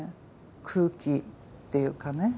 空気っていうかね